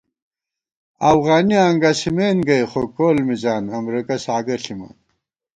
اَوغانی انگَسِمېن گئ خو کول مِزان امرېکہ ساگہ ݪِمان